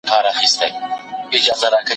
هغوی د هرات په کلتوري ژوند کې هم ډېر رول درلود.